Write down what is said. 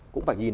cũng phải nhìn